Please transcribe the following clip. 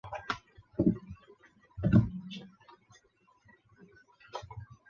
拉斯穆森报导利用自动化的民意调查方式包括预录电话查询来收集信息。